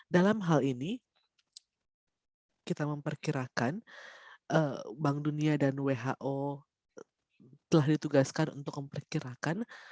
dalam hal ini kita memperkirakan bank dunia dan who telah ditugaskan untuk memperkirakan